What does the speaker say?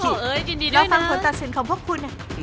ชีวิตของพวกคุณ